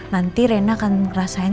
nanti rena akan ngerasain